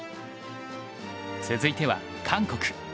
続いては韓国。